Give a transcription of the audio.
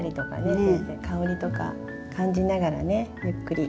香りとか感じながらねゆっくり。